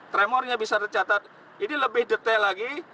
tremornya bisa tercatat ini lebih detail lagi